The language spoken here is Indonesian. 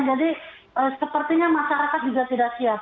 jadi sepertinya masyarakat juga tidak siap